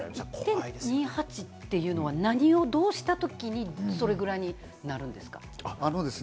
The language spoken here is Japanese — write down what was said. １．２８っていうのは何をどうした時にそれぐらいになるんですか？